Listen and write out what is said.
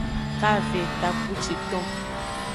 Kave takpuciton.